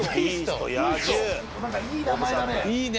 何かいい名前だね。